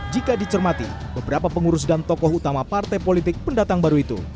jika dicermati beberapa pengurus dan tokoh utama partai politik pendatang baru itu